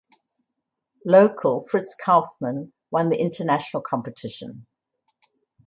Local Fritz Kaufmann won the international competition.